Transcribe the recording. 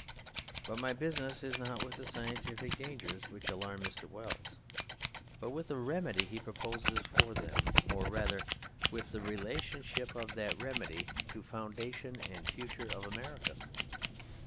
But my business is not with the scientific dangers which alarm Mr. Wells, but with the remedy he proposes for them; or rather with the relation of that remedy to the foundation and the future of America.